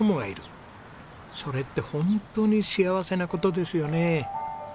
それって本当に幸せな事ですよね。